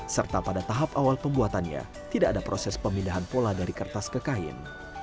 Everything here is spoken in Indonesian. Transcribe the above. serta pada tahap awal pembuatannya tidak ada proses pemindahan pola dari kertas ke kain